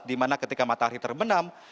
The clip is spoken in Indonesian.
dimana ketika matahari terbenam